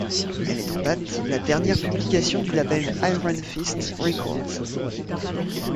Elle est en date la dernière publication du label Iron Fist Records.